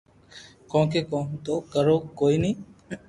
ڪونڪہ ڪوم تو ڪرو ڪوئي ني